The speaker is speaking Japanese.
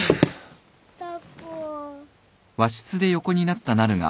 ・タコ。